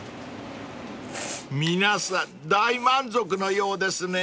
［皆さん大満足のようですね］